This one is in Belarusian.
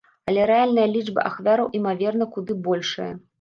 Але рэальная лічба ахвяраў імаверна куды большая.